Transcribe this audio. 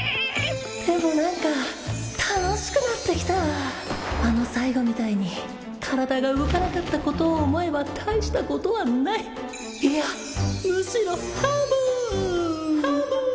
でも何か楽しくなってきたあの最後みたいに体が動かなかったことを思えばたいしたことはないいやむしろヘブーン！